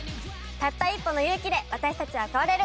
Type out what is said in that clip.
たった一歩の勇気で私たちは変われる！